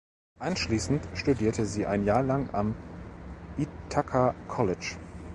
Anschließend studierte sie ein Jahr lang am "Ithaca College".